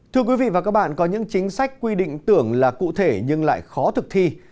thưa quý vị và các bạn có những chính sách quy định tưởng là cụ thể nhưng lại khó thực thi